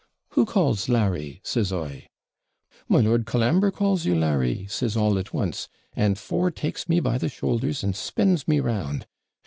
'Who calls Larry?' says I. 'My Lord Colambre calls you, Larry,' says all at once; and four takes me by the shoulders and spins me round.